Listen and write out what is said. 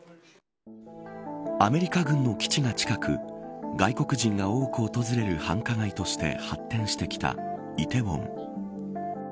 アメリカ軍の基地が近く外国人が多く訪れる繁華街として発展してきた梨泰院。